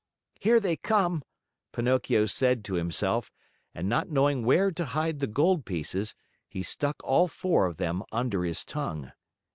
"Here they come!" Pinocchio said to himself, and, not knowing where to hide the gold pieces, he stuck all four of them under his tongue.